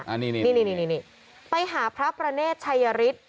อันนี้นี่นี่ไปหาพระประเนตชัยริต